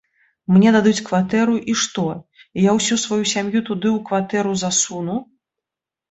Мне дадуць кватэру, і што, і я ўсю сваю сям'ю туды у кватэру засуну?